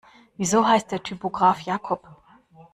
Wieso heißt der Typograf Jakob?